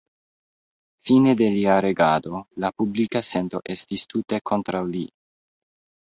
Fine de lia regado, la publika sento estis tute kontraŭ li.